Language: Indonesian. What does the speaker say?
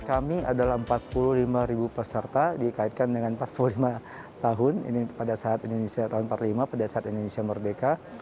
kami adalah empat puluh lima ribu peserta dikaitkan dengan empat puluh lima tahun ini pada saat indonesia merdeka